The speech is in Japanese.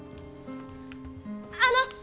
あの！